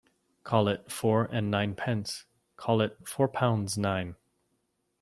Call it four and ninepence — call it four pounds nine.